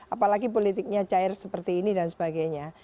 apalagi politiknya cair seperti ini dan sebagainya